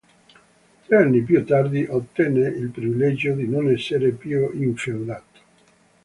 Tre anni più tardi ottenne il privilegio di non essere più infeudato.